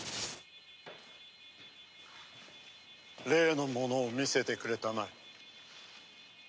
「例のものを見せてくれたまえ」